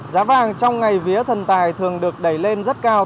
giá vàng trong ngày vía thần tài thường được đẩy lên rất cao